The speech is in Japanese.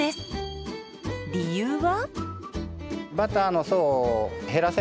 理由は。